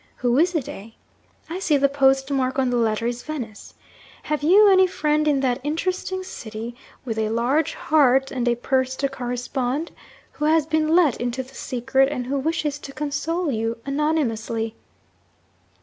Who is it eh? I see the post mark on the letter is "Venice." Have you any friend in that interesting city, with a large heart, and a purse to correspond, who has been let into the secret and who wishes to console you anonymously?'